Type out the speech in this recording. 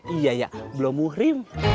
iya ya belum muhrim